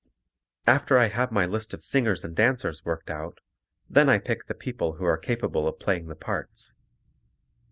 After I have my list of singers and dancers worked out, then I pick the people who are capable of playing the parts.